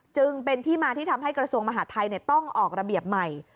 จึงเป็นที่มาที่ทำให้กระทรวงมหาดไทยต้องออกระเบียบใหม่